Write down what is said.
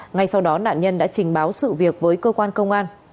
ngay sau đó nạn nhân đã trình báo sự việc với cơ quan công an